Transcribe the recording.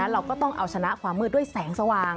เราก็ต้องเอาชนะความมืดด้วยแสงสว่าง